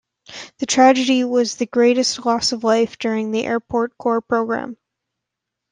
The tragedy was the greatest loss of life during the Airport Core Programme.